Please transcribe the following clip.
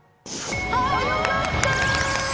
あよかった！